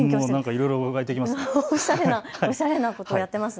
いろいろ燃えてきます。